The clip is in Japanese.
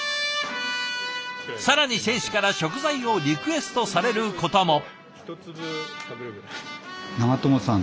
更に選手から食材をリクエストされることも。